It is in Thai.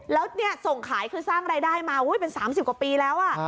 แล้วส่งขายคือสร้างรายได้มาเป็น๓๐กว่าปีแล้ว